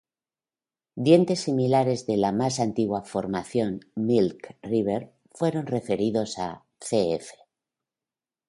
Dientes similares de la más antigua Formación Milk River fueron referidos a "cf.